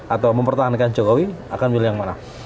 atau mempertahankan jokowi akan milih yang mana